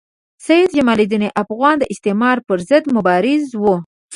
سید جمال الدین افغاني د استعمار پر ضد مبارز وو.